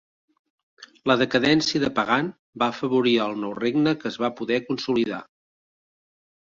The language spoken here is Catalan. La decadència de Pagan va afavorir al nou regne que es va poder consolidar.